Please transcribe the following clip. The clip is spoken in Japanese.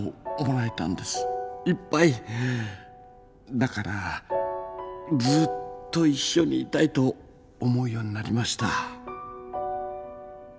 だからずっと一緒にいたいと思うようになりました。